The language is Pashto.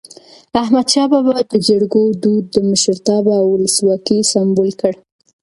احمد شاه بابا د جرګو دود د مشرتابه او ولسواکی سمبول کړ.